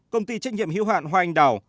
công ty trách nhiệm hiếu hạn hoa anh đào